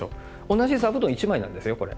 同じ座布団１枚なんですよこれ。